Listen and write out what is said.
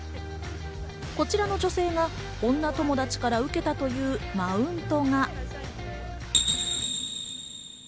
こちらの女性が女友達から受けたというマウントが。